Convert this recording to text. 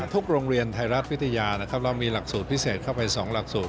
โรงเรียนไทยรัฐวิทยานะครับเรามีหลักสูตรพิเศษเข้าไป๒หลักสูตร